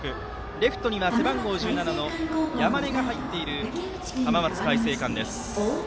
レフトには背番号１７の山根が入っている浜松開誠館。